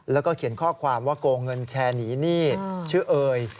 แล้วก็เขียนข้อความว่าโกงเงินแชร์หนีหนี้ชื่อเอย